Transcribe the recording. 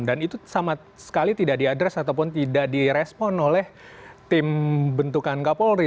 dan itu sama sekali tidak diadres ataupun tidak direspon oleh tim bentukan kapolri